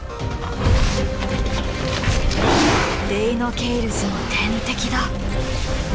デイノケイルスの天敵だ。